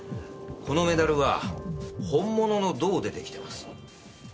このメダルは本物の銅で出来ています。